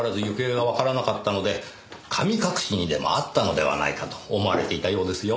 行方がわからなかったので神隠しにでもあったのではないかと思われていたようですよ。